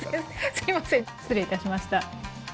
すいません失礼いたしました。